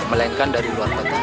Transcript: melainkan dari luar kota